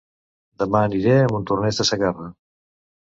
Dema aniré a Montornès de Segarra